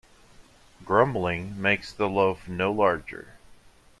Grumbling makes the loaf no larger.